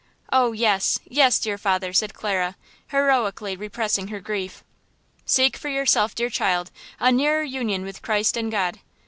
"Oh, yes, yes, dear father!" said Clara, heroically repressing her grief. "Seek for yourself, dear child, a nearer union with Christ and God.